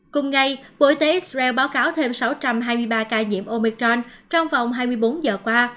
cùng ngày bộ y tế israel báo cáo thêm sáu trăm hai mươi ba ca nhiễm omicron trong vòng hai mươi bốn giờ qua